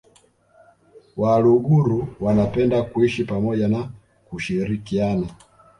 Waluguru wanapenda kuishi pamoja na kushirikiana